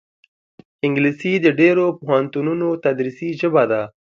انګلیسي د ډېرو پوهنتونونو تدریسي ژبه ده